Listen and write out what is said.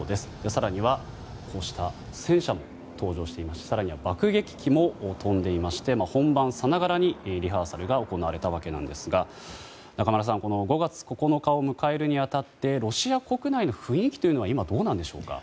更には戦車も登場したり爆撃機も飛んでいまして本番さながらにリハーサルが行われたわけですが中村さん、５月９日を迎えるに当たりロシア国内の雰囲気は今どうなんでしょうか。